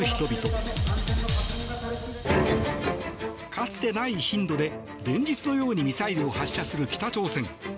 かつてない頻度で連日のようにミサイルを発射する北朝鮮。